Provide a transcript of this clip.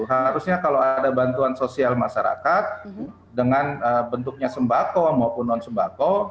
harusnya kalau ada bantuan sosial masyarakat dengan bentuknya sembako maupun non sembako